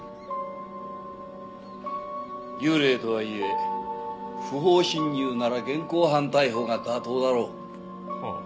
幽霊とはいえ不法侵入なら現行犯逮捕が妥当だろ。はあ。